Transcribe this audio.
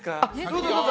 どうぞどうぞ！